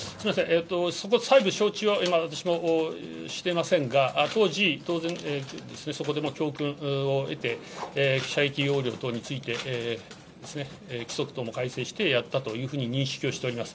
そこ、細部、承知を今、私はしていませんが、当時、当然、そこでも教訓を得て、射撃要領等について、規則等も改正してやったというふうに認識をしております。